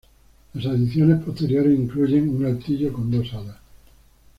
Las adiciones posteriores incluyen un altillo con dos alas.